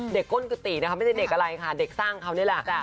ก้นกุฏินะคะไม่ใช่เด็กอะไรค่ะเด็กสร้างเขานี่แหละ